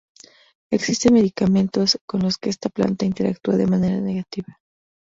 Existen medicamentos con los que esta planta interactúa de manera negativa.